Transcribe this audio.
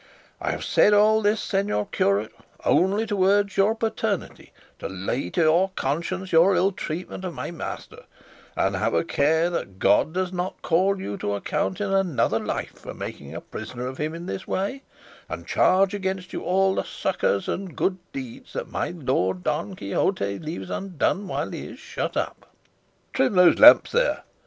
I have said all this, señor curate, only to urge your paternity to lay to your conscience your ill treatment of my master; and have a care that God does not call you to account in another life for making a prisoner of him in this way, and charge against you all the succours and good deeds that my lord Don Quixote leaves undone while he is shut up. "Trim those lamps there!"